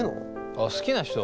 あっ好きな人？